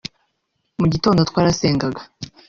mu gitondo twarasengaga